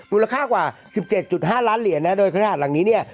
มูลค่ากว่า๑๗๕ล้านเหรียญนะโดยขนาดหลังนี้เนี่ย